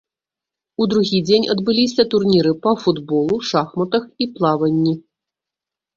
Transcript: У другі дзень адбыліся турніры па футболу, шахматах і плаванні.